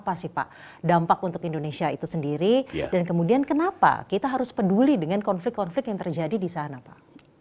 apa sih pak dampak untuk indonesia itu sendiri dan kemudian kenapa kita harus peduli dengan konflik konflik yang terjadi di sana pak